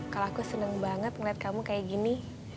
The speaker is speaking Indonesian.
kalau aku seneng banget ngeliat kamu kayak gini